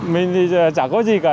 mình thì chả có gì cả